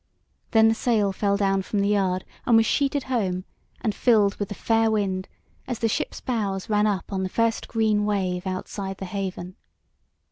Then the sail fell down from the yard and was sheeted home and filled with the fair wind as the ship's bows ran up on the first green wave outside the haven.